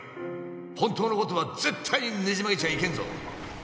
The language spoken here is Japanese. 本当のことは絶対にねじ曲げちゃいけんぞ